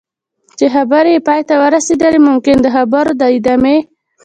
چې خبرې یې پای ته رسېدلي ممکن د خبرو د ادامې.